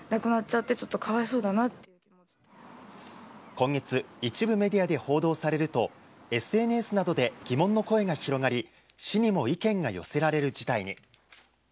今月一部メディアで報道されるとＳＮＳなどで疑問の声が広がり市にも意見が寄せられる事態に。